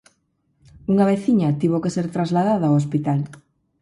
Unha veciña tivo que ser trasladada ao hospital.